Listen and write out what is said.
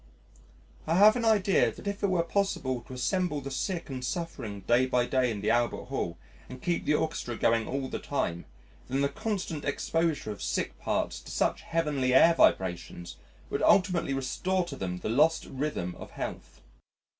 I have an idea that if it were possible to assemble the sick and suffering day by day in the Albert Hall and keep the Orchestra going all the time, then the constant exposure of sick parts to such heavenly air vibrations would ultimately restore to them the lost rhythm of health.